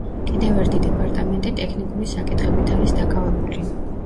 კიდევ ერთი დეპარტამენტი ტექნიკური საკითხებით არის დაკავებული.